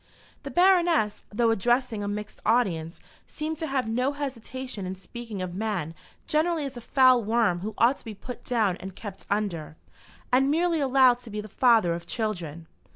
The Baroness, though addressing a mixed audience, seemed to have no hesitation in speaking of man generally as a foul worm who ought to be put down and kept under, and merely allowed to be the father of children.